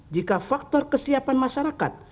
jika faktor kesiapan masyarakat